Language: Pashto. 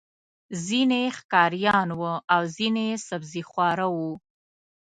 ځینې یې ښکاریان وو او ځینې یې سبزيخواره وو.